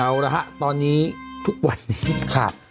เอาละฮะตอนนี้ทุกวันนี้ครับ